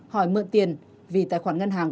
hỏi mượn tiền vì tài khoản ngân hàng